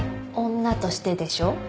女としてでしょ？